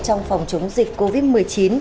trong phòng chống dịch covid một mươi chín